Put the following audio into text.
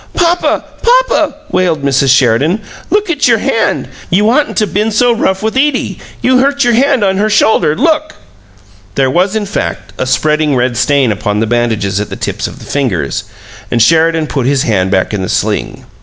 "Papa, papa!" wailed Mrs. Sheridan. "Look at your hand! You'd oughtn't to been so rough with Edie; you hurt your hand on her shoulder. Look!" There was, in fact, a spreading red stain upon the bandages at the tips of the fingers, and Sheridan put his hand back in the sling.